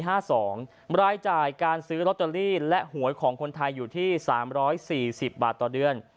รายจ่ายการซื้อลอตเตอรี่และหวยของคนไทยอยู่ที่๓๔๐บาทต่อเดือน